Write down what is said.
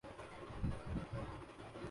وہاں میرے ایک دوست وسیم